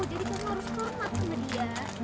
jadi kamu harus hormat sama dia